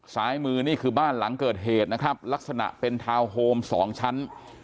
ซ้ายมือนี่คือบ้านหลังเกิดเหตุนะครับลักษณะเป็นทาวน์โฮมสองชั้น